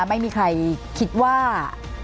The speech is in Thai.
ไม่มีใครคิดว่า